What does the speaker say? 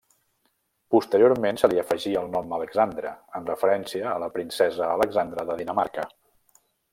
Posteriorment se li afegí el nom Alexandra, en referència a la princesa Alexandra de Dinamarca.